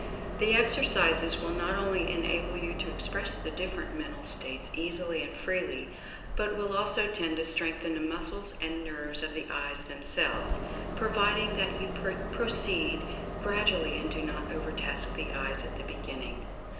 The exercises will not only enable you to express the different mental states easily and freely, but will also tend to strengthen the muscles and nerves of the eyes themselves, pro viding that you proceed gradually and do not overtask the eyes at the beginning.